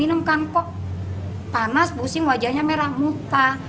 diminumkan kok panas pusing wajahnya merah muta